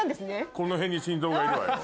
この辺に心臓がいるわよ。